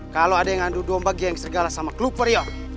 kalo ada yang ngandung domba geng sergala sama klub warrior